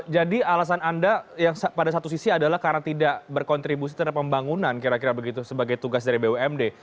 jadi alasan anda yang pada satu sisi adalah karena tidak berkontribusi terhadap pembangunan kira kira begitu sebagai tugas dari bumd